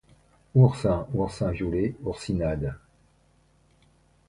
Oursin, Oursin violet, oursinade.